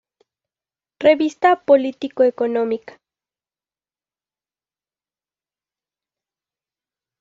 Revista político-económica".